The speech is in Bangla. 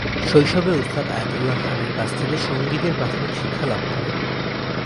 শৈশবে ওস্তাদ আয়াতুল্লাহ খানের কাছ থেকে সঙ্গীতের প্রাথমিক শিক্ষা লাভ করেন।